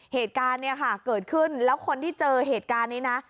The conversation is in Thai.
เหตุการณ์เนี่ยค่ะเกิดขึ้นแล้วคนที่เจอเหตุการณ์นี้นะ